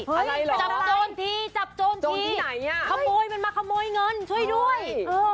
อะไรเหรอจบโจรทีจบโจรทีขโมยมันมาขโมยเงินช่วยด้วยเออเออ